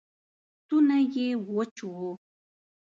ستونی یې وچ و